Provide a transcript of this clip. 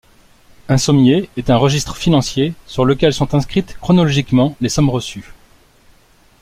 Un sommier est un registre financier sur lequel sont inscrites chronologiquement les sommes reçues.